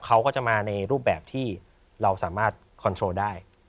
เขาก็จะมาในรูปแบบที่เราสามารถคอนโทรได้